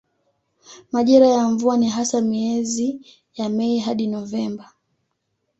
Majira ya mvua ni hasa miezi ya Mei hadi Novemba.